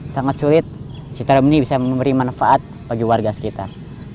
sangat sulit citarum ini bisa memberi manfaat bagi warga sekitar